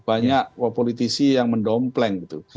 banyak politisi yang mendompleng gitu